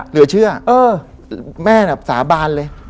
เหลือเชื่อเออแม่แบบสาบานเลย